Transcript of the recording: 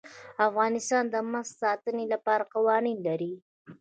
افغانستان د مس د ساتنې لپاره قوانین لري.